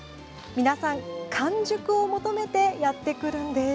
皆さん、完熟を求めてやってくるんです。